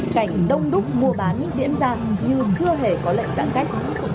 cảnh đông đúc mua bán diễn ra như chưa hề có lệnh giãn cách